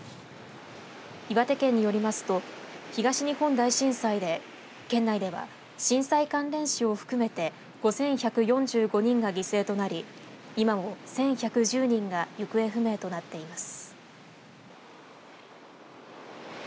岩手県によりますと東日本大震災で県内では震災関連死を含めて５１４５人が犠牲となり今も１１１０人が行方不明となっています。